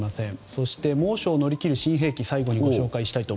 そして猛暑を乗り切る新兵器を最後にご紹介します。